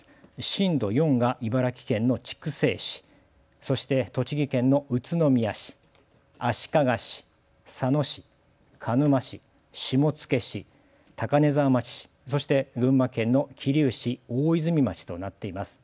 震度４が茨城県の筑西市、そして栃木県の宇都宮市、足利市佐野市、鹿沼市、下野市、高根沢町、そして群馬県の桐生市、大泉町となっています。